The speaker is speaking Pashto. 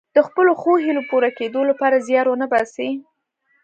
د خپلو ښو هیلو پوره کیدو لپاره زیار ونه باسي.